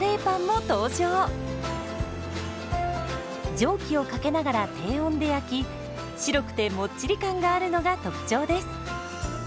蒸気をかけながら低温で焼き白くてもっちり感があるのが特徴です。